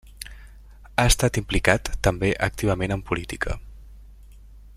Ha estat implicat també activament en política.